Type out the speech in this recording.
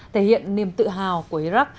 thể hiện niềm tự hào của iraq